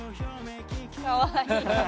かわいい。